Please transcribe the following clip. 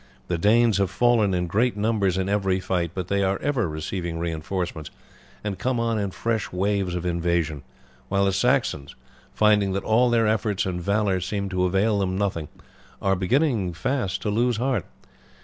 The Danes have fallen in great numbers in every fight, but they are ever receiving reinforcements and come on in fresh waves of invasion; while the Saxons, finding that all their efforts and valour seem to avail nothing, are beginning fast to lose heart.